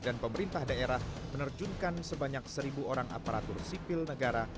dan pemerintah daerah menerjunkan sebanyak seribu orang aparatur sipil negara